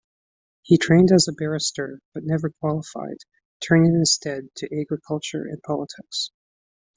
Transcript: He trained as a barrister, but never qualified, turning instead to agriculture and politics.